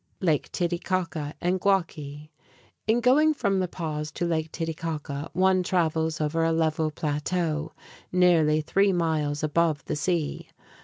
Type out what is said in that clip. Lake Titicaca and Guaqui In going from La Paz to Lake Titicaca, one travels over a level plateau, nearly three miles above the sea.